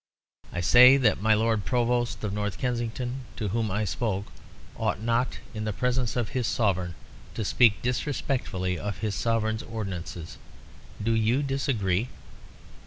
I say that my Lord Provost of North Kensington, to whom I spoke, ought not in the presence of his Sovereign to speak disrespectfully of his Sovereign's ordinances. Do you disagree?"